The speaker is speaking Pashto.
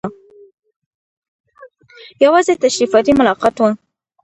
یوازې تشریفاتي ملاقات وو.